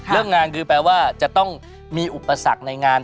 เรื่องงานคือแปลว่าจะต้องมีอุปสรรคในงาน